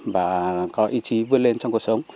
và có ý chí vươn lên trong cuộc sống